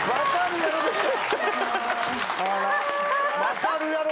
「分かるやろ？」